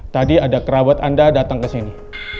tadi ada kerabat anda datang kesini